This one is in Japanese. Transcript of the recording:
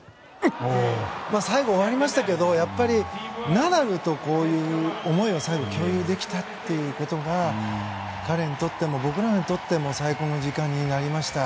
最後、終わりましたけどやっぱり、ナダルと思いを最後共有できたことが彼にとっても僕らにとっても最高の時間になりました。